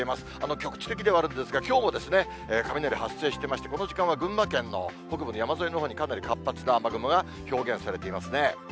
局地的ではあるんですが、きょうもですね、雷発生してまして、この時間は群馬県の北部の山沿いのほうにかなり活発な雨雲が確認されていますね。